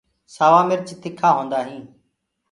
سوآ مرچ تِکآ هوندآ هينٚ۔